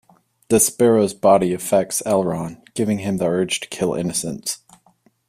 Despero's body affects L-Ron, giving him the urge to kill innocents.